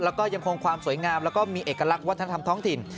แล้วก็ยังคงความสวยงามแล้วก็มีเอกลักษณ์วัฒนธรรมท้องถิ่น